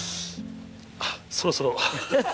あっそろそろ。